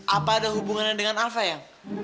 apa ada hubungannya dengan alva yang